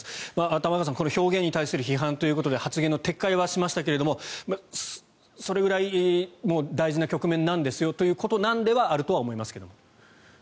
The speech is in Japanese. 玉川さん表現に対する批判ということで発言の撤回はしましたけどそれぐらい大事な局面なんですよということではあると思います。